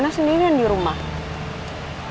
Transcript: kakaria porsi ini mau dibawa